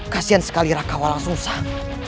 kasian sekali raka walang susah